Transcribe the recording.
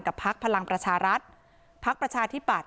กับภักดิ์พลังประชารัฐภักดิ์ประชาธิบัตร